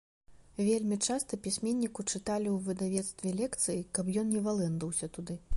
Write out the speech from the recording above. Вельмі часта пісьменніку чыталі ў выдавецтве лекцыі, каб ён не валэндаўся туды.